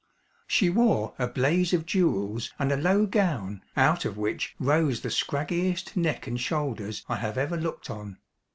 She wore a blaze of jewels and a low gown out of which rose the scraggiest neck and shoulders I have ever looked on.